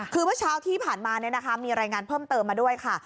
คือเมื่อเช้าที่ผ่านมามีรายงานเพิ่มเติมมาด้วยค่ะ